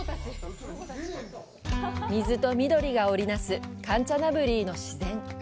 水と緑が織りなすカンチャナブリーの自然。